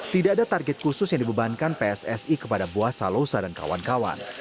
tidak ada target khusus yang dibebankan pssi kepada bua salosa dan kawan kawan